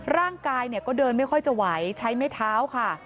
ร่างกายก็เดินไม่ค่อยจะไหวใช้ไม้เท้าค่ะ